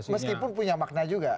meskipun punya makna juga